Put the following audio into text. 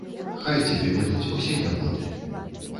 Хай цябе мінуць усе нягоды.